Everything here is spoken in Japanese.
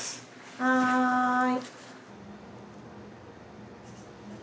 はい。